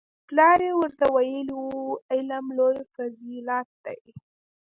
پلار یې ورته ویلي وو علم لوی فضیلت دی